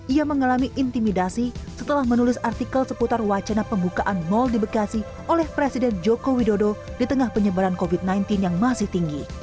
ia mengalami intimidasi setelah menulis artikel seputar wacana pembukaan mal di bekasi oleh presiden joko widodo di tengah penyebaran covid sembilan belas yang masih tinggi